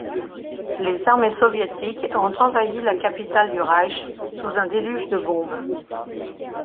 Les armées soviétiques ont envahi la capitale du Reich, sous un déluge de bombes.